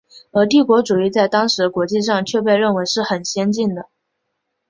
而帝国主义在当时国际上却被认为是很先进的。